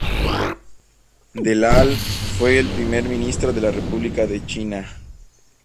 Del al fue Primer ministro de la República de China.